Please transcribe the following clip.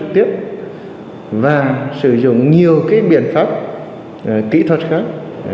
tiếp và sử dụng nhiều biện pháp kỹ thuật khác